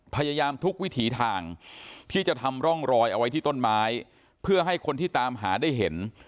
พยายามทุกวิถีทางที่จะทำร่องรอยเอาไว้ที่ต้นไม้เพื่อให้คนที่ตามหาได้เห็น